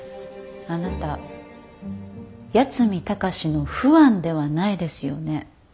あなた八海崇のファンではないですよね？